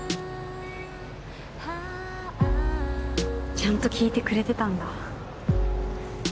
ちゃんと聞いてくれてたんだ